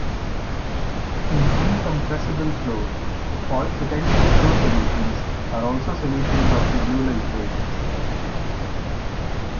In incompressible flow, all potential flow solutions are also solutions of the Euler equations.